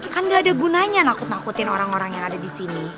kan gak ada gunanya nakut nakutin orang orang yang ada di sini